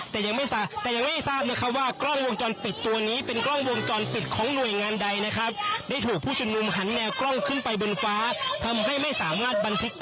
แต่ยังไม่ทราบแต่ยังไม่ทราบนะคะว่ากล้องวงจรปิดตัวนี้เป็นกล้องวงจรปิดของหน่วยงานใดนะครับ